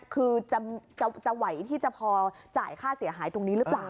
คือจะไหวที่จะพอจ่ายค่าเสียหายตรงนี้หรือเปล่า